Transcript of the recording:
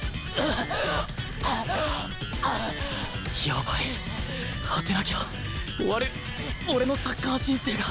やばい当てなきゃ終わる俺のサッカー人生が！